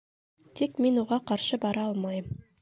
Тик мин уға ҡаршы бара алмайым.